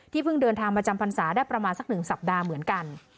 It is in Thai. เพิ่งเดินทางมาจำพรรษาได้ประมาณสัก๑สัปดาห์เหมือนกัน